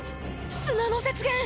砂の雪原！